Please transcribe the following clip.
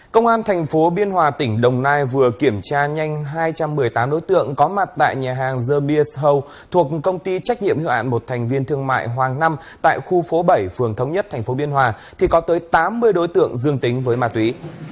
công an thành phố biên hòa tỉnh đồng nai vừa kiểm tra nhanh hai trăm một mươi tám đối tượng có mặt tại nhà hàng zerbir house thuộc công ty trách nhiệm hiệu ạn một thành viên thương mại hoàng năm tại khu phố bảy phường thống nhất tp biên hòa thì có tới tám mươi đối tượng dương tính với ma túy